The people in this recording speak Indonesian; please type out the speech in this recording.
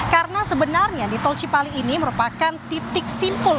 karena sebenarnya di tol cipali ini merupakan titik simpul